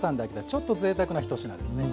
ちょっとぜいたくな１品ですね。